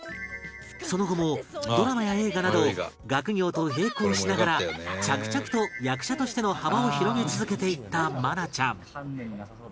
その後もドラマや映画など学業と並行しながら着々と役者としての幅を広げ続けていった愛菜ちゃん